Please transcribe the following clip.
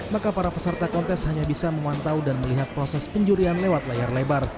maka para peserta kontes hanya bisa memantau dan melihat proses penjurian lewat layar lebar